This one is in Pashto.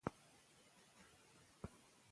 د بدن بوی د چاپېریال سره تړلی دی.